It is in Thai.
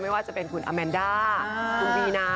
ไม่ว่าจะเป็นคุณอาแมนด้าคุณบีนา